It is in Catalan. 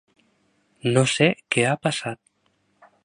No sé què ha passat.